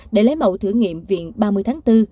để lấy mẫu thử nghiệm viện ba mươi tháng bốn